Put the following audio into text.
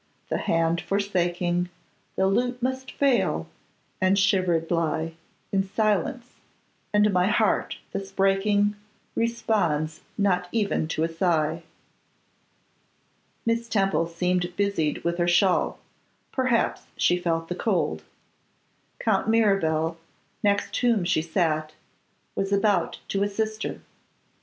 The hand forsaking, The lute must fall, and shivered lie In silence: and my heart thus breaking, Responds not even to a sigh. Miss Temple seemed busied with her shawl; perhaps she felt the cold. Count Mirabel, next whom she sat, was about to assist her.